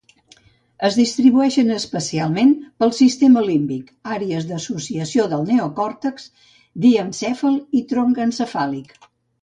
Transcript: Es distribueixen especialment pel sistema límbic, àrees d'associació del neocòrtex, diencèfal i tronc encefàlic.